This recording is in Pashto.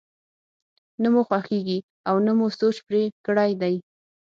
نه مو خوښېږي او نه مو سوچ پرې کړی دی.